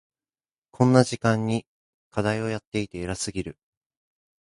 こんな時間に課題をやっていて偉すぎる。